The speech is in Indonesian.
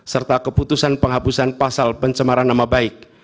serta keputusan penghapusan pasal pencemaran nama baik